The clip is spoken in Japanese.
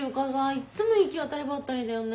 いっつも行き当たりばったりだよね。